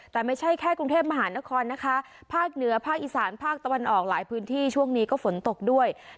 แต่ไม่ใช่แค่กรุงเทพมหานครนะคะภาคเหนือภาคอีสานภาคตะวันออกหลายพื้นที่ช่วงนี้ก็ฝนตกด้วย